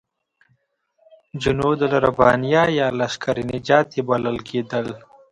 جنودالربانیه یا لشکر نجات یې بلل کېدل.